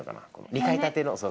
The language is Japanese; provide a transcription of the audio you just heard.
２階建ての。